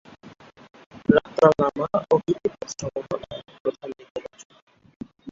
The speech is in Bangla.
রাগতালনামা ও গীতিপদসমূহ তাঁর প্রথম দিকের রচনা।